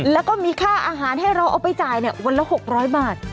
แล้วก็มีค่าอาหารให้เราเอาไปจ่ายวันละ๖๐๐บาท